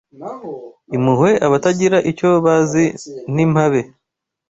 impuhwe abatagira icyo bazi n’impabe